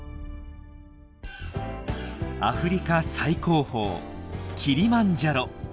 アフリカ最高峰キリマンジャロ。